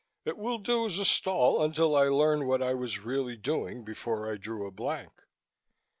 It will do as a stall until I learn what I was really doing before I drew a blank."